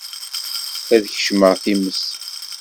Ad kecmeɣ times.